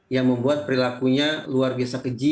yang membuat perilakunya luar biasa keji